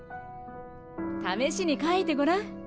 ためしにかいてごらん。